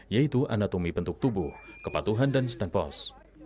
yaitu anatomi bentuk tubuh kepatuhan dan standpos